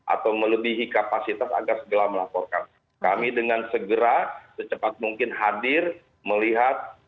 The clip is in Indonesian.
atau melebihi kapasitas agar segera melaporkan kami dengan segera secepat mungkin hadir melihat